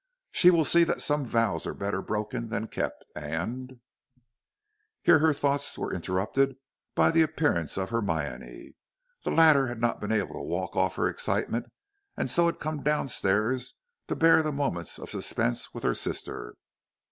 She will see that some vows are better broken than kept, and " Here her thoughts were interrupted by the appearance of Hermione. The latter had not been able to walk off her excitement, and so had come down stairs to bear the moments of suspense with her sister.